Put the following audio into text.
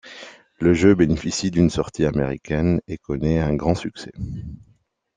Le jeu bénéficie d'une sortie américaine et connait un grand succès.